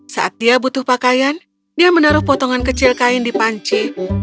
saat dia butuh pakaian dia menaruh potongan kecil kain di panci